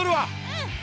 うん。